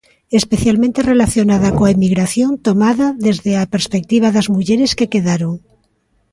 Especialmente relacionada coa emigración, tomada desde a perspectiva das mulleres que quedaron.